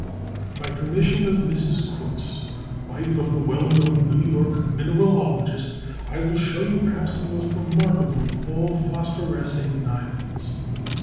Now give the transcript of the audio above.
By permission of Mrs. Kunz, wife of the well known New York mineralogist, I will show you perhaps the most remarkable of all phosphorescing diamonds.